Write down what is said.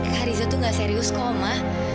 kak riza itu nggak serius kok oma